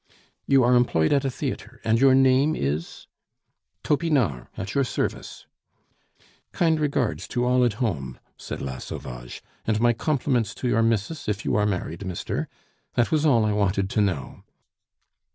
"You are employed at a theatre, and your name is ?" "Topinard, at your service." "Kind regards to all at home," said La Sauvage, "and my compliments to your missus, if you are married, mister.... That was all I wanted to know."